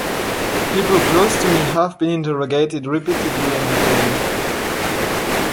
People close to me have been interrogated repeatedly and detained.